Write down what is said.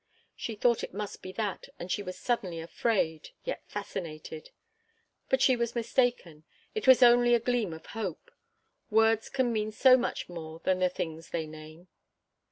She thought it must be that, and she was suddenly afraid, yet fascinated. But she was mistaken. It was only a gleam of hope. Words can mean so much more than the things they name.